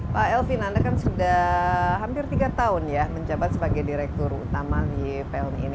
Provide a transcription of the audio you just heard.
pak elvin anda kan sudah hampir tiga tahun ya menjabat sebagai direktur utama ypln ini